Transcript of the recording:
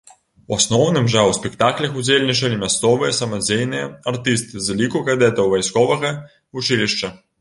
У асноўным жа ў спектаклях ўдзельнічалі мясцовыя самадзейныя артысты з ліку кадэтаў вайсковага вучылішча.